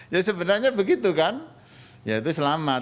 ya sebenarnya begitu kan ya itu selamat